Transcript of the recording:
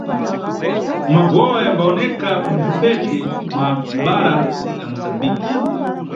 Magowa yambawoneka mʼmphepete mwa bhara la Mosambiki.